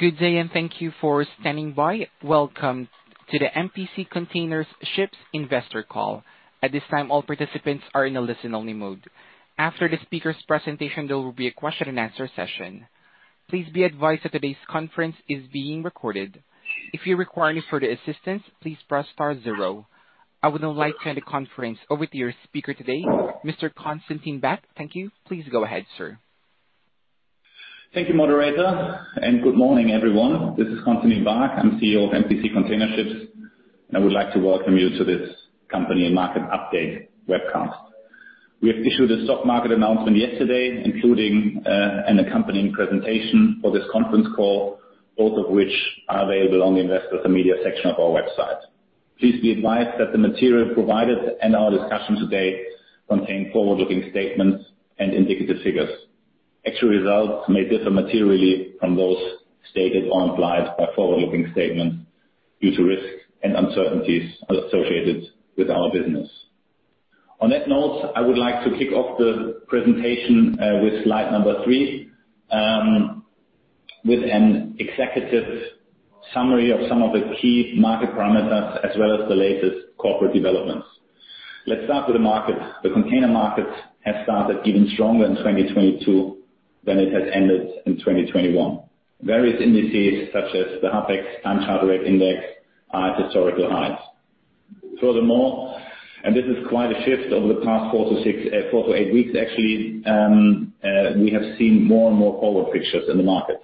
Good day and thank you for standing by. Welcome to the MPC Container Ships Investor Call. At this time, all participants are in a listen-only mode. After the speaker's presentation, there will be a question and answer session. Please be advised that today's conference is being recorded. If you require any further assistance, please press star zero. I would now like to hand the conference over to your speaker today, Mr. Constantin Baack. Thank you. Please go ahead, sir. Thank you, moderator, and good morning, everyone. This is Constantin Baack. I'm CEO of MPC Container Ships, and I would like to welcome you to this company and market update webcast. We have issued a stock market announcement yesterday, including, an accompanying presentation for this conference call, both of which are available on the investor relations section of our website. Please be advised that the material provided and our discussion today contain forward-looking statements and indicative figures. Actual results may differ materially from those stated or implied by forward-looking statements due to risks and uncertainties associated with our business. On that note, I would like to kick off the presentation, with slide number three, with an executive summary of some of the key market parameters, as well as the latest corporate developments. Let's start with the market. The container market has started even stronger in 2022 than it has ended in 2021. Various indices, such as the ConTex Index, are at historical highs. Furthermore, this is quite a shift over the past four to six weeks actually. We have seen more and more forward fixtures in the market.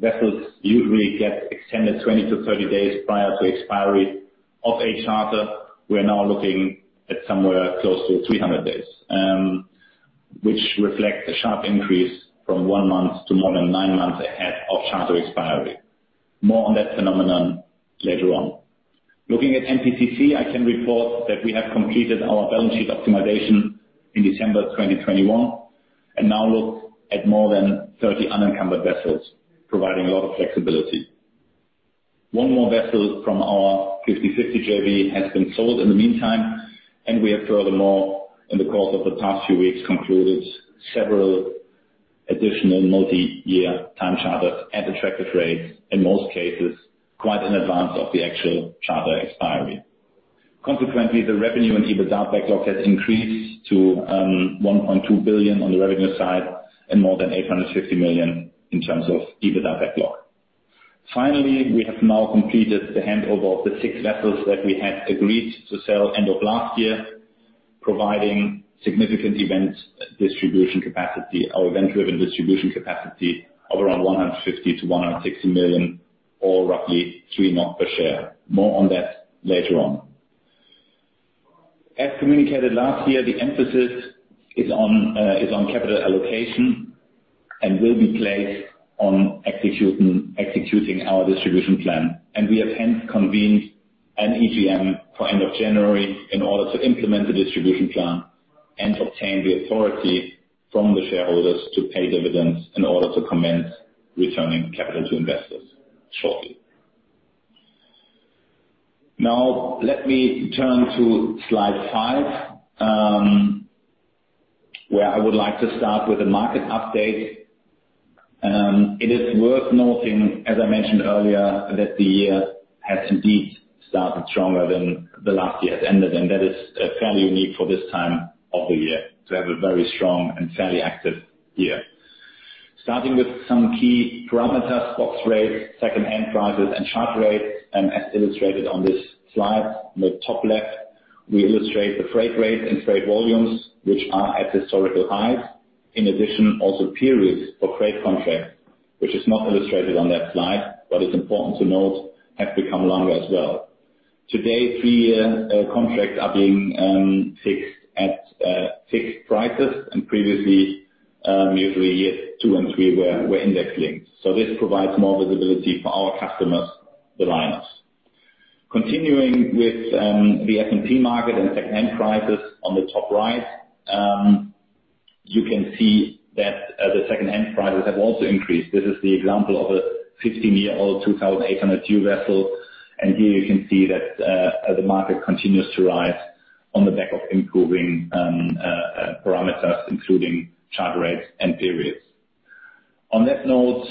Vessels usually get extended 20-30 days prior to expiry of a charter. We are now looking at somewhere close to 300 days, which reflects a sharp increase from one month to more than nine months ahead of charter expiry. More on that phenomenon later on. Looking at MPCC, I can report that we have completed our balance sheet optimization in December 2021 and now look at more than 30 unencumbered vessels, providing a lot of flexibility. One more vessel from our 50/50 JV has been sold in the meantime, and we have furthermore, in the course of the past few weeks, concluded several additional multi-year time charters at attractive rates, in most cases, quite in advance of the actual charter expiry. Consequently, the revenue and EBITDA backlog has increased to $1.2 billion on the revenue side and more than $850 million in terms of EBITDA backlog. Finally, we have now completed the handover of the six vessels that we had agreed to sell end of last year, providing significant event distribution capacity or event-driven distribution capacity of around $150 million-$160 million, or roughly 3 per share. More on that later on. As communicated last year, the emphasis is on capital allocation and will be placed on executing our distribution plan. We have hence convened an EGM for end of January in order to implement the distribution plan and obtain the authority from the shareholders to pay dividends in order to commence returning capital to investors shortly. Now, let me turn to slide five, where I would like to start with a market update. It is worth noting, as I mentioned earlier, that the year has indeed started stronger than the last year has ended, and that is fairly unique for this time of the year, to have a very strong and fairly active year. Starting with some key parameters, box rates, secondhand prices, and charter rates, as illustrated on this slide. In the top left, we illustrate the freight rates and freight volumes, which are at historical highs. In addition, the periods for freight contracts, which is not illustrated on that slide, but it's important to note, have become longer as well. Today, three-year contracts are being fixed at fixed prices, and previously, usually two and three were index-linked. This provides more visibility for our customers, the liners. Continuing with the S&P market and secondhand prices on the top right, you can see that the secondhand prices have also increased. This is the example of a 15-year-old, 2,800 TEU vessel, and here you can see that the market continues to rise on the back of improving parameters, including charter rates and periods. On that note,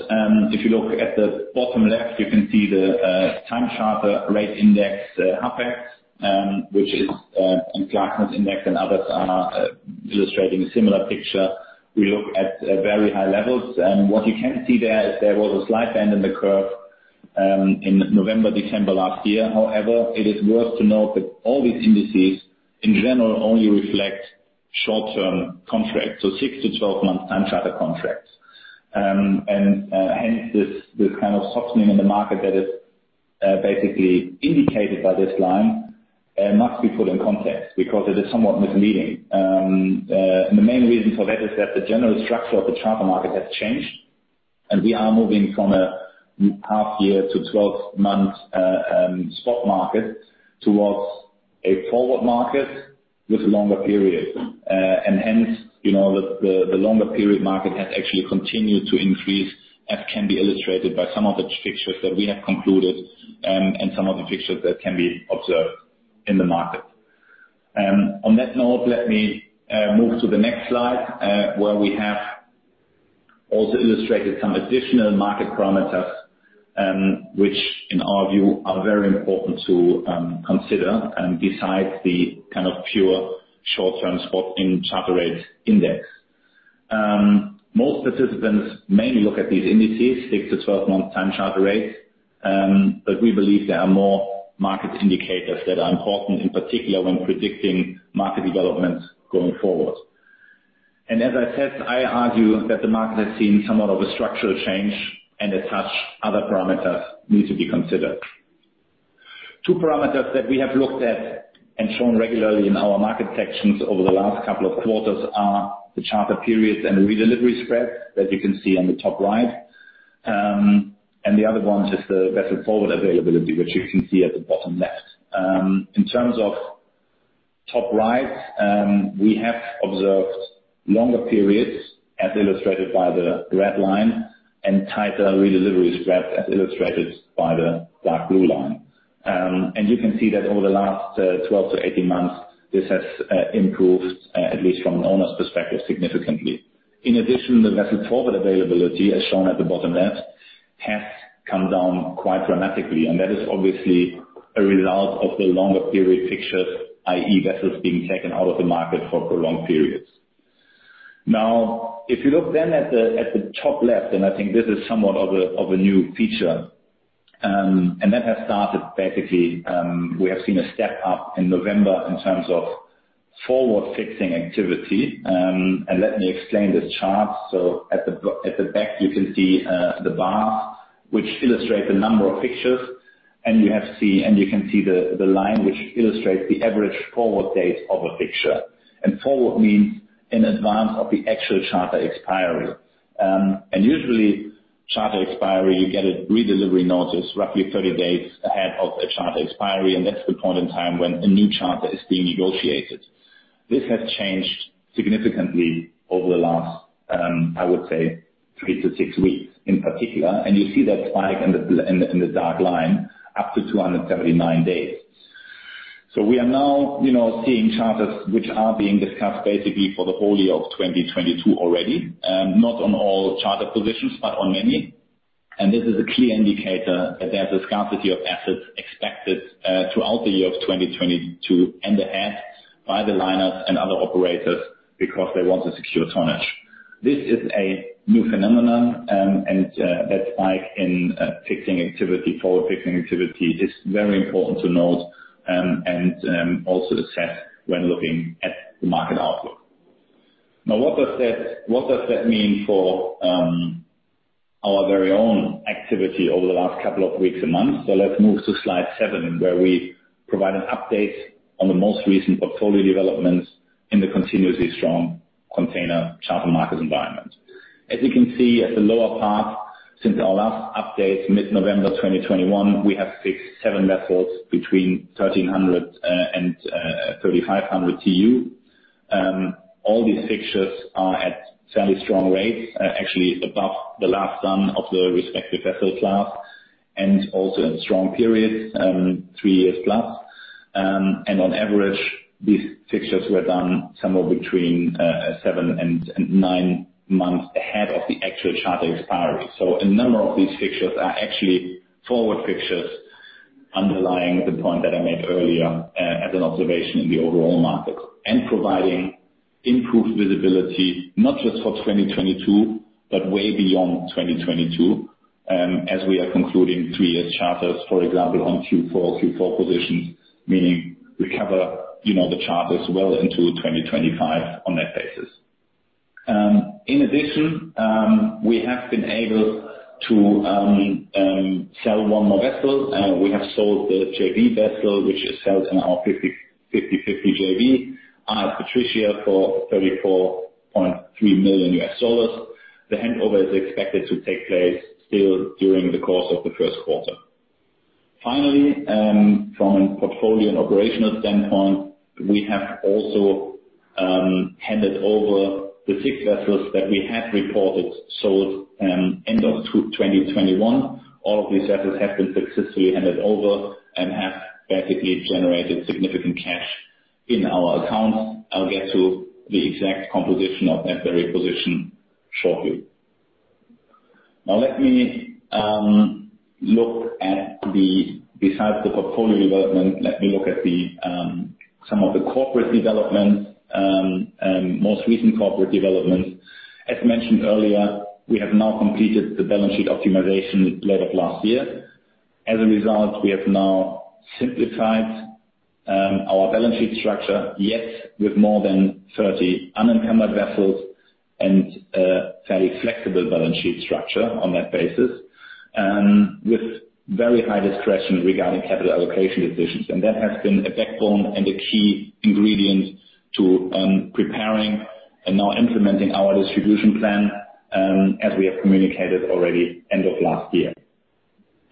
if you look at the bottom left, you can see the time charter rate index, ConTex, which is ConTex index and others are illustrating a similar picture. We look at very high levels. What you can see there is there was a slight bend in the curve in November, December last year. However, it is worth to note that all these indices in general only reflect short-term contracts, so six-12-month time charter contracts. Hence this kind of softening in the market that is basically indicated by this line must be put in context because it is somewhat misleading. The main reason for that is that the general structure of the charter market has changed and we are moving from a half-year to twelve-month spot market towards a forward market with longer periods. Hence, you know, the longer period market has actually continued to increase, as can be illustrated by some of the fixtures that we have concluded, and some of the fixtures that can be observed in the market. On that note, let me move to the next slide, where we have also illustrated some additional market parameters, which in our view are very important to consider and besides the kind of pure short-term spot index and charter rate index. Most participants mainly look at these indices, six to 12-month time charter rates, but we believe there are more market indicators that are important, in particular when predicting market development going forward. As I said, I argue that the market has seen somewhat of a structural change, and as such, other parameters need to be considered. Two parameters that we have looked at and shown regularly in our market sections over the last couple of quarters are the charter periods and redelivery spreads that you can see on the top right. The other one is the vessel forward availability, which you can see at the bottom left. In terms of top right, we have observed longer periods, as illustrated by the red line, and tighter redelivery spreads, as illustrated by the dark blue line. You can see that over the last 12-18 months, this has improved at least from an owner's perspective, significantly. In addition, the vessel forward availability, as shown at the bottom left, has come down quite dramatically, and that is obviously a result of the longer period fixtures, i.e., vessels being taken out of the market for prolonged periods. Now, if you look at the top left, I think this is somewhat of a new feature, and that has started basically. We have seen a step up in November in terms of forward fixing activity. Let me explain this chart. At the back, you can see the bar which illustrates the number of fixtures. You can see the line which illustrates the average forward date of a fixture. Forward means in advance of the actual charter expiry. Usually charter expiry, you get a redelivery notice roughly 30 days ahead of a charter expiry, and that's the point in time when a new charter is being negotiated. This has changed significantly over the last, I would say three to six weeks in particular. You see that spike in the dark line up to 279 days. We are now, you know, seeing charters which are being discussed basically for the whole year of 2022 already, not on all charter positions, but on many. This is a clear indicator that there's a scarcity of assets expected throughout the year of 2022 and ahead by the liners and other operators because they want to secure tonnage. This is a new phenomenon, and that spike in fixing activity, forward fixing activity is very important to note, and also assess when looking at the market outlook. Now, what does that mean for our very own activity over the last couple of weeks and months? Let's move to slide seven, where we provide an update on the most recent portfolio developments in the continuously strong container charter market environment. As you can see at the lower part, since our last update, mid-November 2021, we have fixed seven vessels between 1,300 and 3,500 TEU. All these fixtures are at fairly strong rates, actually above the last done of the respective vessel class, and also in strong periods, three years plus. On average, these fixtures were done somewhere between seven and nine months ahead of the actual charter expiry. A number of these fixtures are actually forward fixtures underlying the point that I made earlier, as an observation in the overall market and providing improved visibility, not just for 2022, but way beyond 2022, as we are concluding three-year charters, for example, on Q4 positions, meaning we cover, you know, the charters well into 2025 on that basis. In addition, we have been able to sell one more vessel. We have sold the JV vessel, which is held in our 50/50 JV with AS Patricia for $34.3 million. The handover is expected to take place still during the course of the first quarter. Finally, from a portfolio and operational standpoint, we have also handed over the six vessels that we had reported sold end of 2021. All of these vessels have been successfully handed over and have basically generated significant cash in our accounts. I'll get to the exact composition of that very position shortly. Now, let me look at the besides the portfolio development, let me look at some of the most recent corporate developments. As mentioned earlier, we have now completed the balance sheet optimization late last year. As a result, we have now simplified our balance sheet structure, yet with more than 30 unencumbered vessels and fairly flexible balance sheet structure on that basis, with very high discretion regarding capital allocation decisions. That has been a backbone and a key ingredient to preparing and now implementing our distribution plan, as we have communicated already end of last year.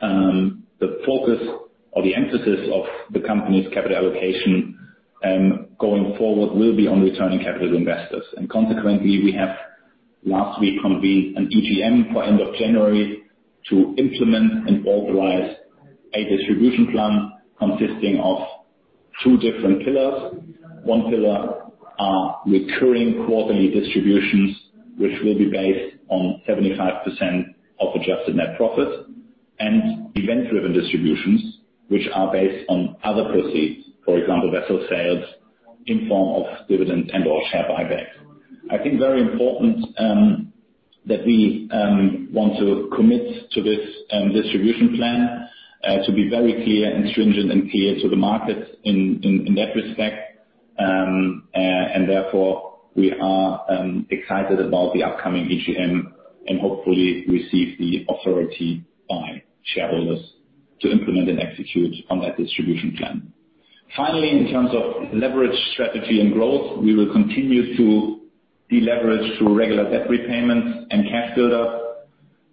The focus or the emphasis of the company's capital allocation going forward will be on returning capital to investors. Consequently, last week we convened an EGM for end of January to implement and authorize a distribution plan consisting of two different pillars. One pillar are recurring quarterly distributions, which will be based on 75% of adjusted net profit and event-driven distributions, which are based on other proceeds, for example, vessel sales in form of dividend and or share buyback. I think very important that we want to commit to this distribution plan to be very clear and stringent and clear to the market in that respect. Therefore we are excited about the upcoming EGM and hopefully receive the authority by shareholders to implement and execute on that distribution plan. Finally, in terms of leverage strategy and growth, we will continue to deleverage through regular debt repayments and cash build-up.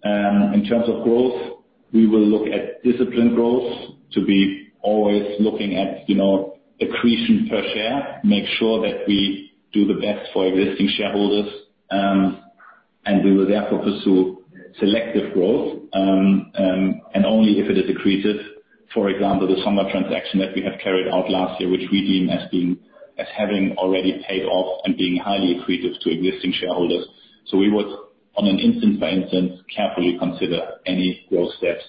In terms of growth, we will look at disciplined growth to be always looking at, you know, accretion per share, make sure that we do the best for existing shareholders, and we will therefore pursue selective growth and only if it is accretive. For example, the Songa transaction that we have carried out last year, which we deem as being, as having already paid off and being highly accretive to existing shareholders. We would on an instance by instance carefully consider any growth steps,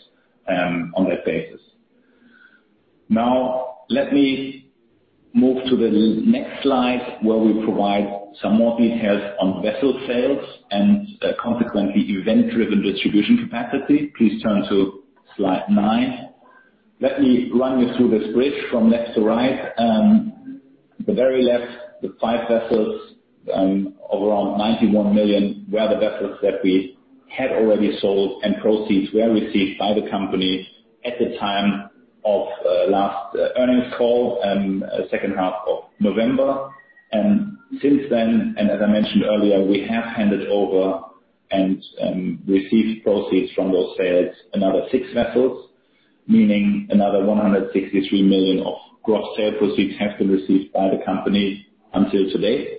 on that basis. Now let me move to the next slide where we provide some more details on vessel sales and, consequently event-driven distribution capacity. Please turn to slide nine. Let me run you through this bridge from left to right. The very left, the five vessels, of around $91 million were the vessels that we had already sold, and proceeds were received by the company at the time of last earnings call, second half of November. Since then, and as I mentioned earlier, we have handed over and received proceeds from those sales another six vessels, meaning another $163 million of gross sale proceeds have been received by the company until today.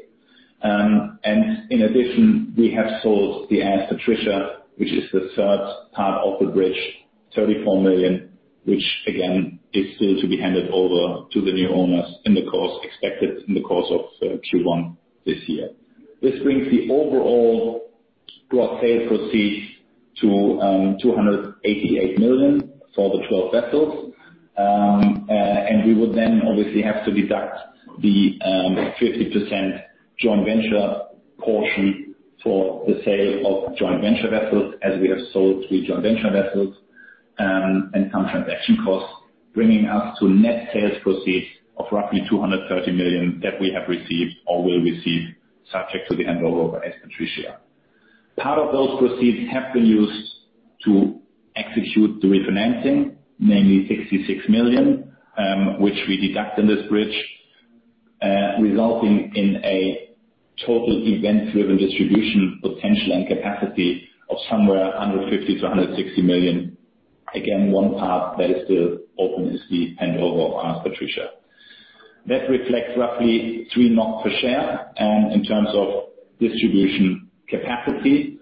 In addition, we have sold the AS Patricia, which is the third part of the bridge, $34 million, which again is still to be handed over to the new owners, expected in the course of Q1 this year. This brings the overall gross sales proceeds to $288 million for the 12 vessels. We would then obviously have to deduct the 50% joint venture portion for the sale of joint venture vessels as we have sold three joint venture vessels and some transaction costs, bringing us to net sales proceeds of roughly $230 million that we have received or will receive subject to the handover of AS Patricia. Part of those proceeds have been used to execute the refinancing, namely $66 million, which we deduct in this bridge, resulting in a total event-driven distribution potential and capacity of somewhere $150 million-$160 million. Again, one part that is still open is the handover of AS Patricia. That reflects roughly 3 per share in terms of distribution capacity.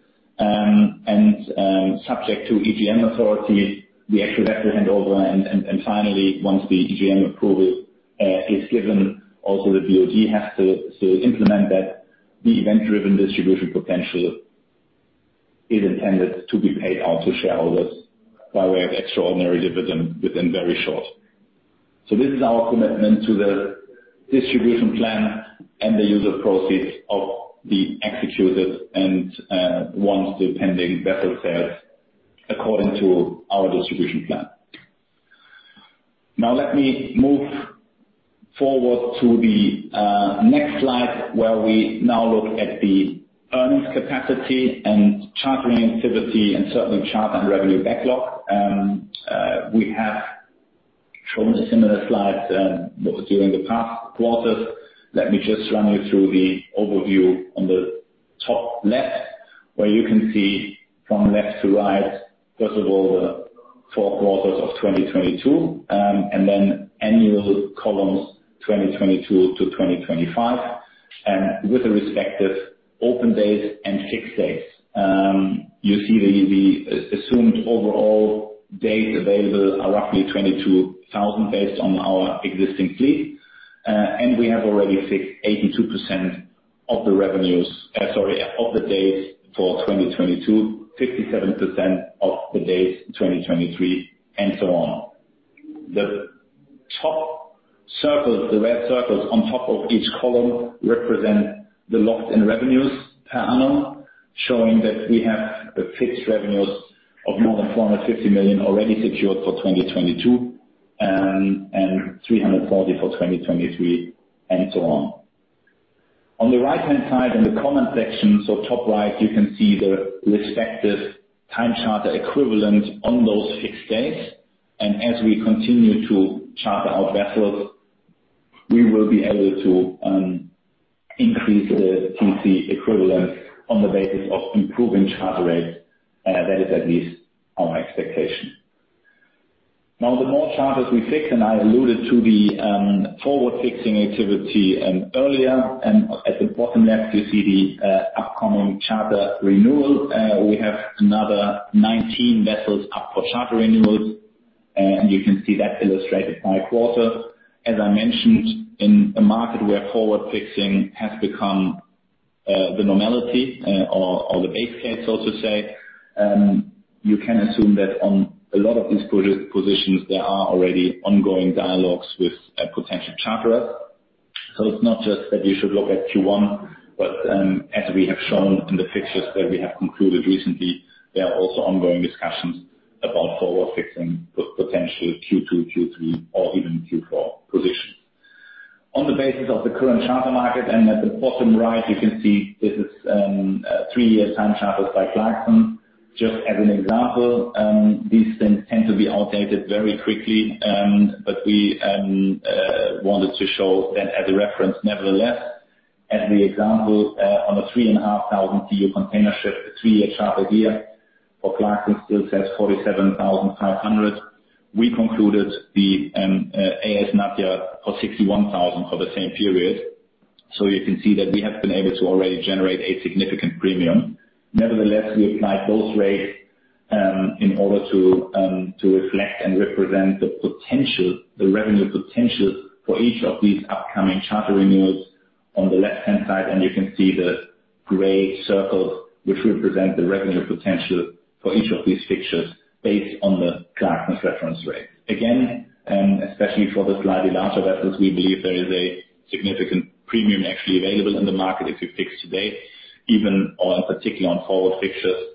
Subject to EGM authority, we execute that handover and finally, once the EGM approval is given, also the BoG has to implement that the event-driven distribution potential is intended to be paid out to shareholders by way of extraordinary dividend within very short. This is our commitment to the distribution plan and the use of proceeds of the executed and the pending vessel sales according to our distribution plan. Now let me move forward to the next slide, where we now look at the earnings capacity and chartering activity and certainly charter and revenue backlog. We have shown a similar slide during the past quarters. Let me just run you through the overview on the top left, where you can see from left to right, first of all, the four quarters of 2022, and then annual columns 2022 to 2025, with the respective open days and fixed days. You see the as-assumed overall days available are roughly 22,000 based on our existing fleet. We have already fixed 82% of the days for 2022, 57% of the days 2023, and so on. The top circles, the red circles on top of each column represent the locked-in revenues per annum, showing that we have the fixed revenues of more than $450 million already secured for 2022, and $340 million for 2023, and so on. On the right-hand side in the comment section, so top right, you can see the respective time charter equivalent on those fixed days. As we continue to charter our vessels, we will be able to increase the TC equivalent on the basis of improving charter rates. That is at least our expectation. Now the more charters we fix, and I alluded to the forward fixing activity earlier, and at the bottom left you see the upcoming charter renewal. We have another 19 vessels up for charter renewals, and you can see that illustrated by quarter. As I mentioned, in a market where forward fixing has become the normality or the base case, so to say, you can assume that on a lot of these positions there are already ongoing dialogues with potential charterers. It's not just that you should look at Q1, but as we have shown in the fixtures that we have concluded recently, there are also ongoing discussions about forward fixing potential Q2, Q3, or even Q4 positions. On the basis of the current charter market, and at the bottom right you can see this is a three-year time charter by Clarksons, just as an example, these things tend to be outdated very quickly, but we wanted to show that as a reference nevertheless. As an example, on a 3,500 TEU container ship, the three-year charter here for Clarksons still says $47,500. We concluded the AS Nadia for $61,000 for the same period. You can see that we have been able to already generate a significant premium. Nevertheless, we applied both rates in order to reflect and represent the potential, the revenue potential for each of these upcoming charter renewals on the left-hand side, and you can see the gray circle, which represent the revenue potential for each of these fixtures based on the Clarksons reference rate. Again, especially for the slightly larger vessels, we believe there is a significant premium actually available in the market if you fix today, even on, particularly on forward fixtures.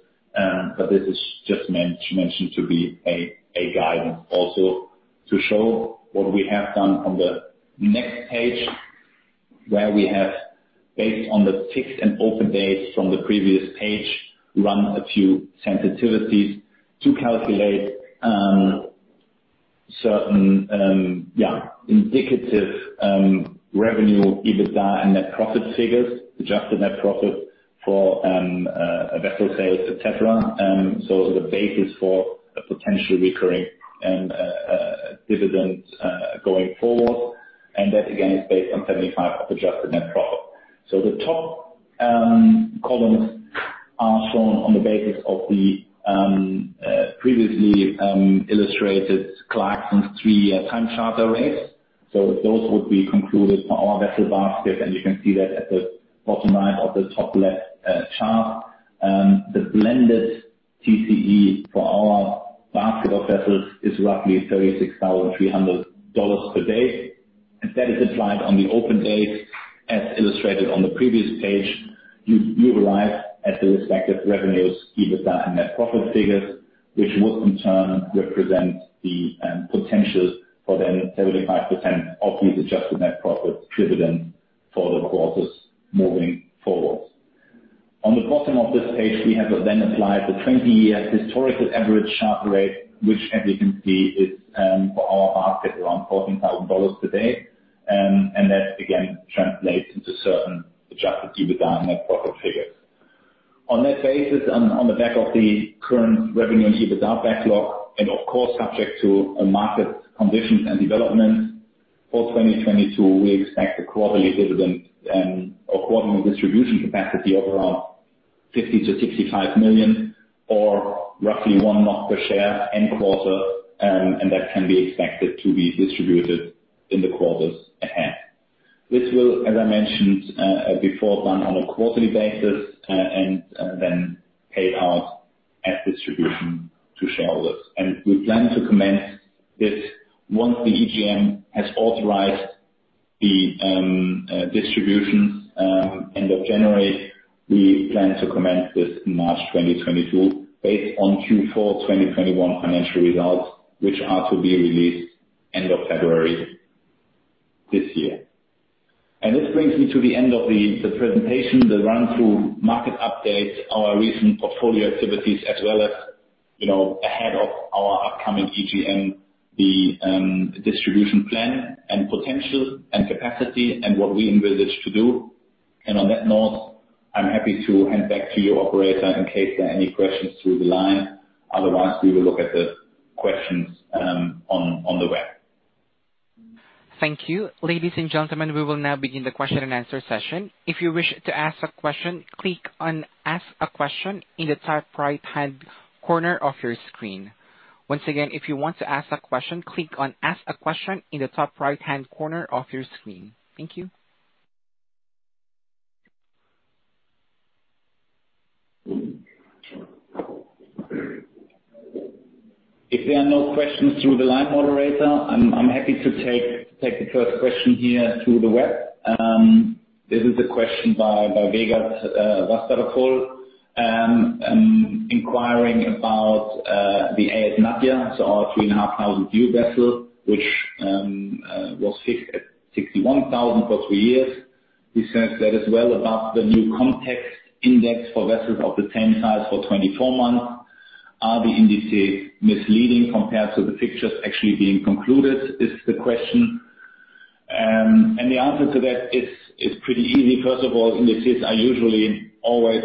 This is just meant to mention to be a guidance also to show what we have done on the next page, where we have, based on the fixed and open days from the previous page, run a few sensitivities to calculate certain indicative revenue, EBITDA and net profit figures, adjusted net profit for a vessel sale to Teflon. The basis for a potential recurring dividend going forward. That again is based on 75% of adjusted net profit. The top columns are shown on the basis of the previously illustrated Clarksons three-year time charter rates. Those would be calculated for our vessel basket, and you can see that at the bottom right of the top left chart. The blended TCE for our basket of vessels is roughly $36,300 per day. If that is applied on the open days, as illustrated on the previous page, you arrive at the respective revenues, EBITDA and net profit figures, which would in turn represent the potential for then 75% of these adjusted net profit dividend for the quarters moving forward. On the bottom of this page, we have then applied the 20-year historical average charter rate, which as you can see is for our basket around $14,000 today. That again translates into certain Adjusted EBITDA net profit figures. On that basis, on the back of the current revenue and EBITDA backlog, and of course subject to market conditions and development, for 2022, we expect a quarterly dividend or quarterly distribution capacity of around $50 million-$65 million, or roughly 1 per share end quarter, and that can be expected to be distributed in the quarters ahead. This will, as I mentioned before, done on a quarterly basis, and then paid out as distribution to shareholders. We plan to commence this once the EGM has authorized the distribution end of January. We plan to commence this March 2022 based on Q4 2021 financial results, which are to be released end of February this year. This brings me to the end of the presentation, the run through market updates, our recent portfolio activities, as well as, you know, ahead of our upcoming EGM, the distribution plan and potential and capacity and what we envisage to do. On that note, I'm happy to hand back to you, operator, in case there are any questions through the line. Otherwise, we will look at the questions on the web. Thank you. Ladies and gentlemen, we will now begin the question and answer session. If you wish to ask a question, click on ask a question in the top right-hand corner of your screen. Once again, if you want to ask a question, click on ask a question in the top right-hand corner of your screen. Thank you. If there are no questions through the line moderator, I'm happy to take the first question here through the web. This is a question by Vegard Vesterfjell inquiring about the AS Nadia, so our 3,500 TEU vessel, which was fixed at $61,000 for three years. He says that as well about the new ConTex for vessels of the same size for 24 months. Are the indices misleading compared to the fixtures actually being concluded? Is the question. The answer to that is pretty easy. First of all, indices are usually always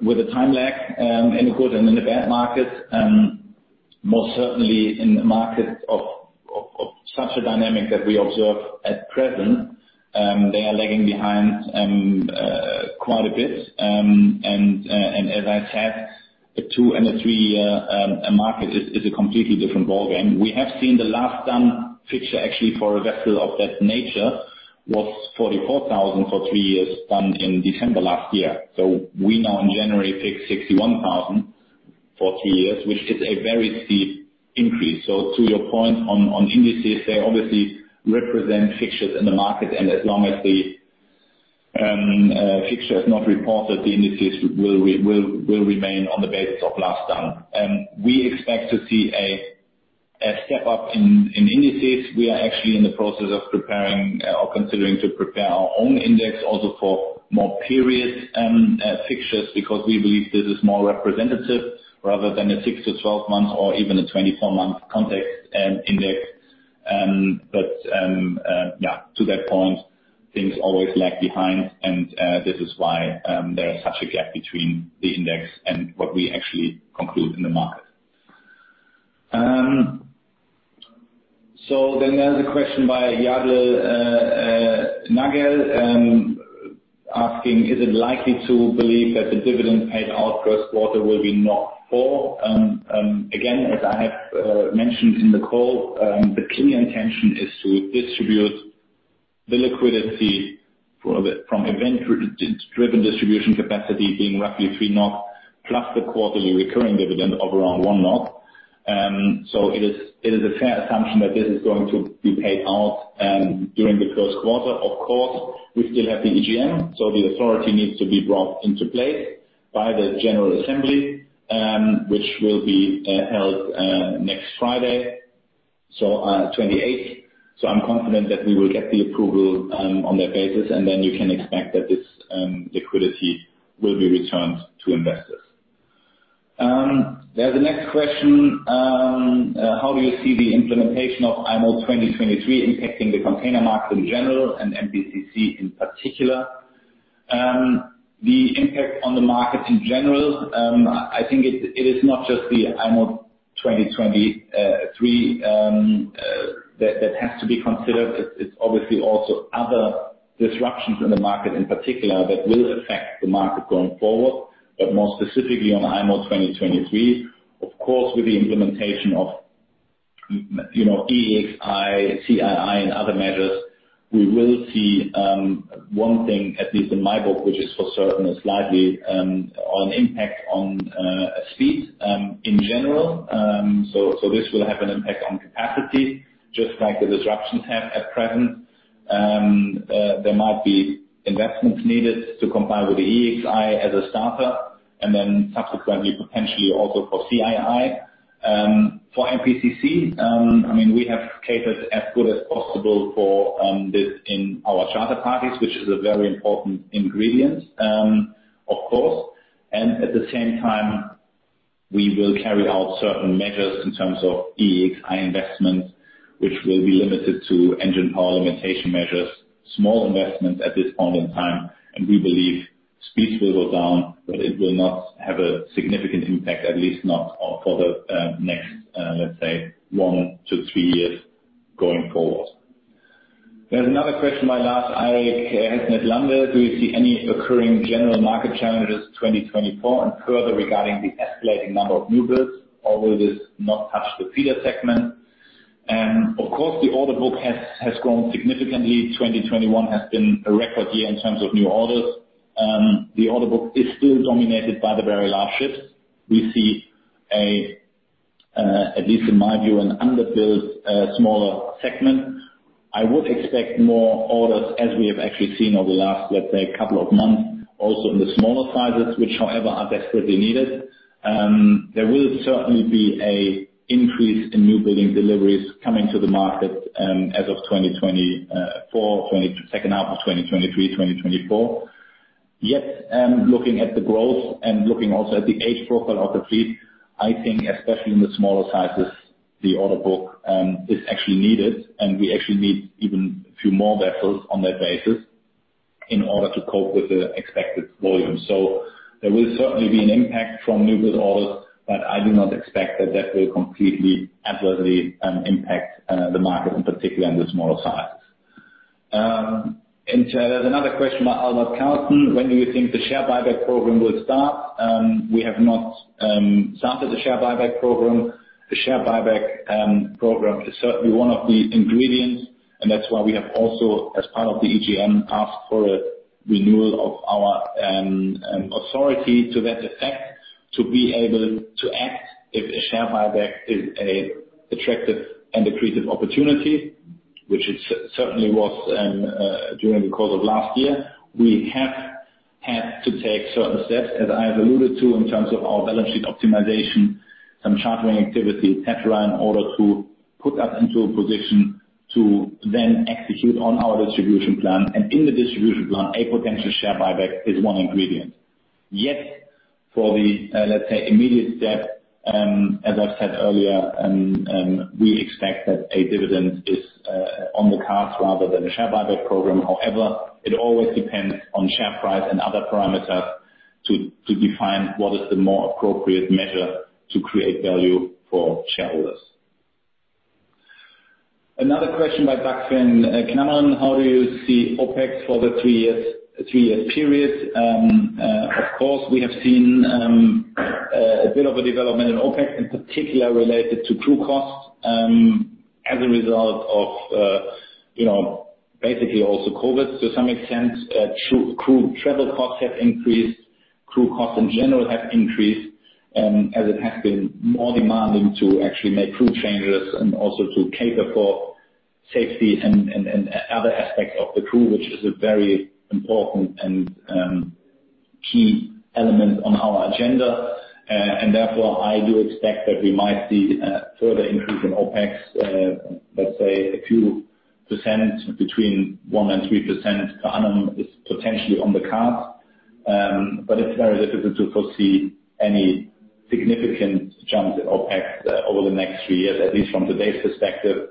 with a time lag, and of course in the bad markets, most certainly in markets of such a dynamic that we observe at present, they are lagging behind quite a bit. As I said, a two- and three-year market is a completely different ballgame. We have seen the last done fixture actually for a vessel of that nature was $44,000 for three years done in December last year. We now in January take $61,000 for two years, which is a very steep increase. To your point on indices, they obviously represent fixtures in the market, and as long as the fixture is not reported, the indices will remain on the basis of last done. We expect to see a step up in indices. We are actually in the process of preparing or considering to prepare our own index also for longer period fixtures because we believe this is more representative rather than a six to 12-month or even a 24-month ConTex Index. Yeah, to that point, things always lag behind and this is why there is such a gap between the index and what we actually conclude in the market. There's a question by Nagel, asking, "Is it likely to believe that the dividend paid out first quarter will be not full?" Again, as I have mentioned in the call, the clear intention is to distribute the liquidity from event-driven distribution capacity being roughly 3 plus the quarterly recurring dividend of around 1. It is a fair assumption that this is going to be paid out during the first quarter. Of course, we still have the EGM, so the authority needs to be brought into place by the general assembly, which will be held next Friday, 28th. I'm confident that we will get the approval on that basis, and then you can expect that this liquidity will be returned to investors. There's the next question. How do you see the implementation of IMO 2023 impacting the container market in general and MPCC in particular? The impact on the market in general, I think it is not just the IMO 2023 that has to be considered. It's obviously also other disruptions in the market in particular that will affect the market going forward. More specifically on IMO 2023, of course, with the implementation of, EEXI, CII, and other measures, we will see one thing, at least in my book, which is for certain a slightly on impact on speed in general. This will have an impact on capacity, just like the disruptions have at present. There might be investments needed to comply with the EEXI as a starter, and then subsequently, potentially also for CII. For MPCC, I mean, we have catered as good as possible for this in our charter parties, which is a very important ingredient, of course. At the same time we will carry out certain measures in terms of EEXI investments, which will be limited to engine power limitation measures, small investments at this point in time. We believe speeds will go down, but it will not have a significant impact, at least not for the next, let's say, one to three years going forward. There's another question by Lars Erik Hestnes-Lande. Do you see any recurring general market challenges 2024 and further regarding the escalating number of new builds? Or will this not touch the feeder segment? Of course, the order book has grown significantly. 2021 has been a record year in terms of new orders. The order book is still dominated by the very large ships. We see, at least in my view, an underbuilt smaller segment. I would expect more orders as we have actually seen over the last, let's say, couple of months also in the smaller sizes, which however are desperately needed. There will certainly be an increase in newbuilding deliveries coming to the market as of 2024, second half of 2023, 2024. Yet, looking at the growth and looking also at the age profile of the fleet, I think especially in the smaller sizes, the order book is actually needed, and we actually need even a few more vessels on that basis in order to cope with the expected volume. There will certainly be an impact from new build orders, but I do not expect that will completely adversely impact the market in particular in the smaller size. And there's another question by Albert Carstensen. When do you think the share buyback program will start? We have not started the share buyback program. The share buyback program is certainly one of the ingredients, and that's why we have also, as part of the EGM, asked for a renewal of our authority to that effect to be able to act if a share buyback is an attractive and accretive opportunity, which it certainly was during the course of last year. We have had to take certain steps, as I have alluded to, in terms of our balance sheet optimization, some chartering activity, et cetera, in order to put us into a position to then execute on our distribution plan. In the distribution plan, a potential share buyback is one ingredient. Yet for the, let's say, immediate step, as I've said earlier, we expect that a dividend is on the cards rather than a share buyback program. However, it always depends on share price and other parameters to define what is the more appropriate measure to create value for shareholders. Another question by Jørgen Lian. Can I know how do you see OpEx for the three years, three-year period? Of course, we have seen a bit of a development in OpEx, in particular related to crew costs, as a result of you know, basically also COVID to some extent. Crew travel costs have increased. Crew costs in general have increased, as it has been more demanding to actually make crew changes and also to cater for safety and other aspects of the crew, which is a very important key element on our agenda. Therefore, I do expect that we might see further increase in OpEx, let's say a few percent between 1% and 3% per annum is potentially on the cards. It's very difficult to foresee any significant jump in OpEx over the next three years, at least from today's perspective.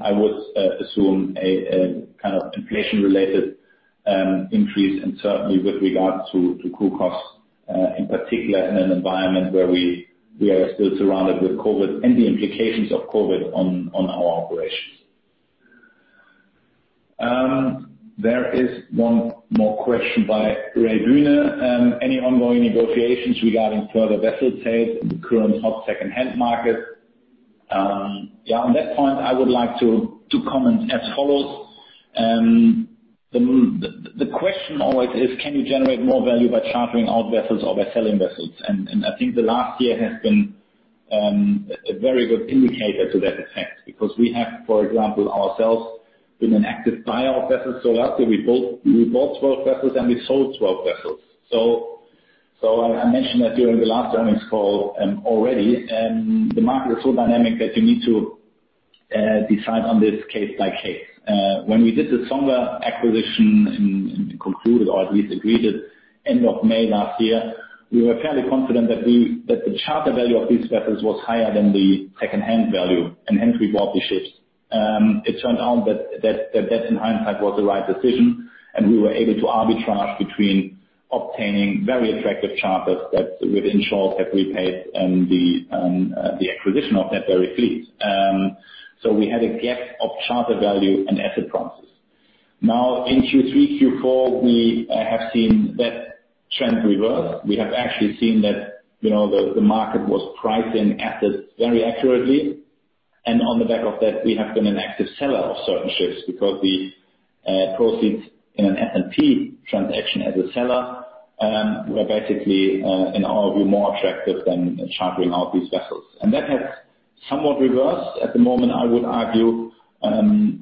I would assume a kind of inflation-related increase, and certainly with regards to crew costs in particular, in an environment where we are still surrounded with COVID and the implications of COVID on our operations. There is one more question by Ray Gruner. Any ongoing negotiations regarding further vessel sales in the current hot secondhand market? Yeah, on that point, I would like to comment as follows. The question always is, can you generate more value by chartering out vessels or by selling vessels? I think the last year has been a very good indicator to that effect, because we have, for example, ourselves been an active buyer of vessels. Last year, we bought 12 vessels and we sold 12 vessels. I mentioned that during the last earnings call already. The market is so dynamic that you need to decide on this case by case. When we did the Songa acquisition and concluded, or at least agreed to it at the end of May last year, we were fairly confident that the charter value of these vessels was higher than the secondhand value, and hence we bought the ships. It turned out that in hindsight was the right decision, and we were able to arbitrage between obtaining very attractive charters that would ensure that we paid for the acquisition of that very fleet. We had a gap of charter value and asset prices. Now in Q3, Q4, we have seen that trend reverse. We have actually seen that, you know, the market was pricing assets very accurately. On the back of that, we have been an active seller of certain ships because the proceeds in an S&P transaction as a seller were basically in our view more attractive than chartering out these vessels. That has somewhat reversed. At the moment, I would argue on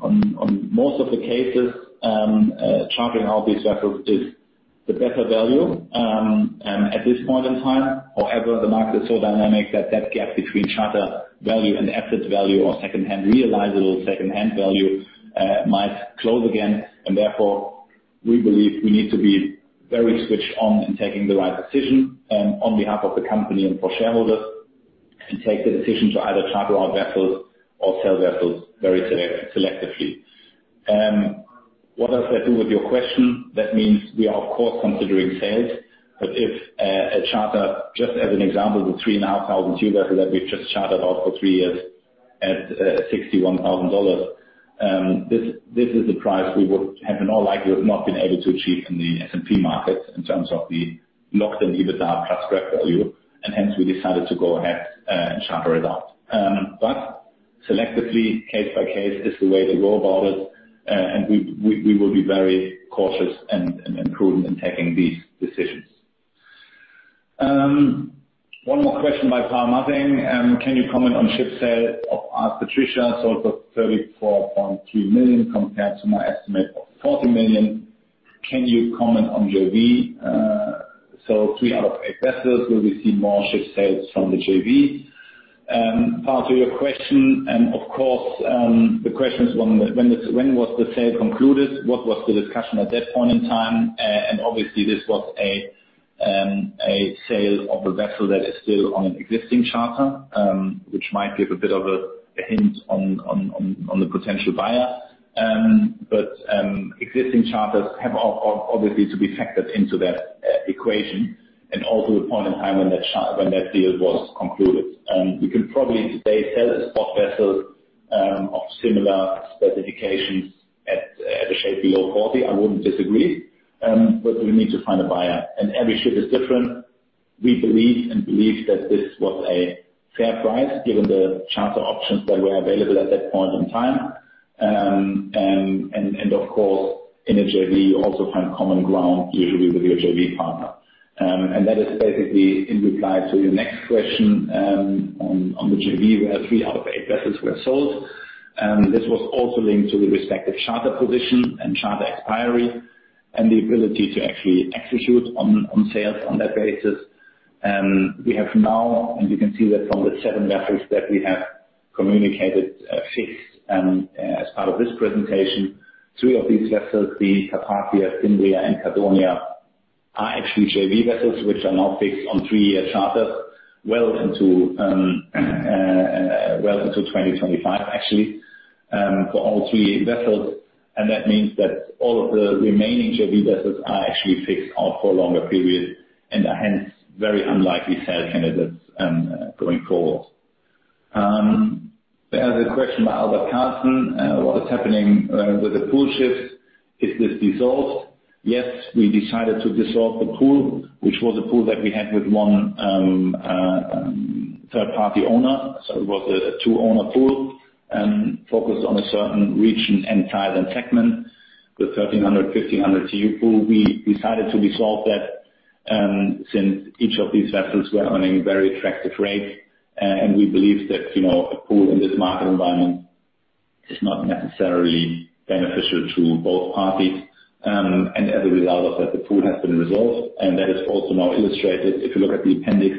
most of the cases chartering out these vessels is the better value at this point in time. However, the market is so dynamic that that gap between charter value and asset value or secondhand realizable value might close again. Therefore, we believe we need to be very switched on in taking the right decision on behalf of the company and for shareholders, and take the decision to either charter our vessels or sell vessels very selectively. What does that do with your question? That means we are of course considering sales. If a charter, just as an example, the 3,500-cube vessel that we've just chartered out for three years at $61,000, this is the price we would have in all likelihood not been able to achieve in the S&P market in terms of the locked in EBITDA plus growth value, and hence we decided to go ahead and charter it out. Selectively, case by case is the way to go about it. We will be very cautious and prudent in taking these decisions. One more question by Paul Matting. Can you comment on ship sale of AS Patricia, sold for $34.3 million compared to my estimate of $40 million. Can you comment on JV? Three out of eight vessels, will we see more ship sales from the JV? Paul, to your question, of course, the question is when was the sale concluded? What was the discussion at that point in time? Obviously this was a sale of a vessel that is still on an existing charter, which might give a bit of a hint on the potential buyer. Existing charters have obviously to be factored into that equation and also the point in time when that deal was concluded. You can probably today sell a spot vessel of similar specifications at a shade below $40. I wouldn't disagree. We need to find a buyer, and every ship is different. We believe that this was a fair price given the charter options that were available at that point in time. Of course, in a JV, you also find common ground usually with your JV partner. That is basically in reply to your next question, on the JV where three out of eight vessels were sold. This was also linked to the respective charter position and charter expiry and the ability to actually execute on sales on that basis. We have now, and you can see that from the seven vessels that we have communicated, fixed as part of this presentation, three of these vessels, the Carpathia, Cimbria and Cardonia are actually JV vessels, which are now fixed on three-year charters well into 2025 actually, for all three vessels. That means that all of the remaining JV vessels are actually fixed out for a longer period and are hence very unlikely sale candidates, going forward. There is a question by Albert Carstensen. What is happening with the pool ships? Is this dissolved? Yes, we decided to dissolve the pool, which was a pool that we had with one third party owner. So it was a two-owner pool, focused on a certain region in Thailand segment with 1,300-1,500 TEU pool. We decided to dissolve that, since each of these vessels were earning very attractive rates. We believe that, you know, a pool in this market environment is not necessarily beneficial to both parties. As a result of that, the pool has been dissolved, and that is also now illustrated if you look at the appendix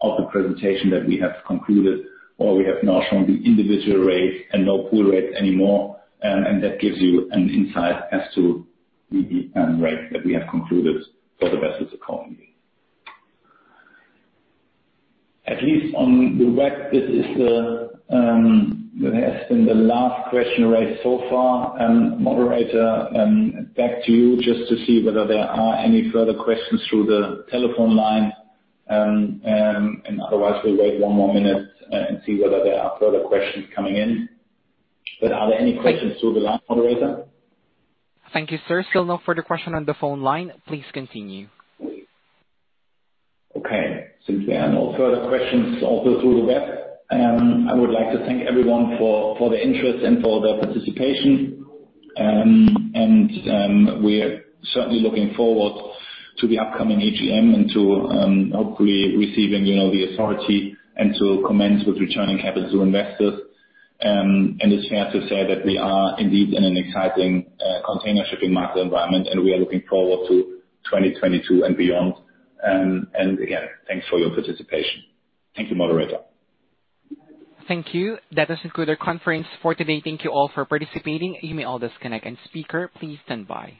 of the presentation that we have concluded, or we have now shown the individual rates and no pool rates anymore. That gives you an insight as to the rates that we have concluded for the vessels accordingly. At least on the web, this is the what has been the last question raised so far. Moderator, back to you just to see whether there are any further questions through the telephone line. Otherwise, we'll wait one more minute and see whether there are further questions coming in. Are there any questions through the line, moderator? Thank you, sir. Still no further question on the phone line. Please continue. Okay. Since there are no further questions also through the web, I would like to thank everyone for their interest and for their participation. We are certainly looking forward to the upcoming AGM and to hopefully receiving, you know, the authority and to commence with returning capital to investors. It's fair to say that we are indeed in an exciting container shipping market environment, and we are looking forward to 2022 and beyond. Again, thanks for your participation. Thank you, moderator. Thank you. That does conclude our conference for today. Thank you all for participating. You may all disconnect. Speaker, please stand by.